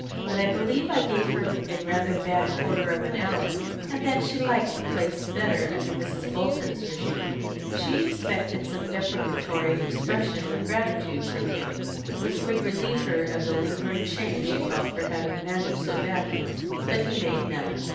But I believe I gave her rather a bad quarter of an hour, and that she liked the place better under Mrs. Bolton's régime." She expected some deprecatory expression of gratitude from him, which would relieve her of the lingering shame she felt for having managed so badly, but he made none.